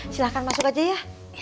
silahkan masuk aja ya